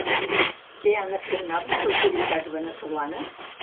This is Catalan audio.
Què han afirmat les autoritats veneçolanes?